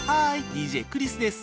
ＤＪクリスです。